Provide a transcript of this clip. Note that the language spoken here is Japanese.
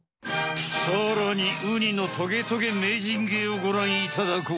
さらにウニのトゲトゲ名人芸をごらんいただこう。